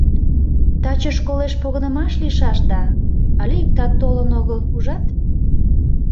— Таче школеш погынымаш лийшаш да, але иктат толын огыл, ужат?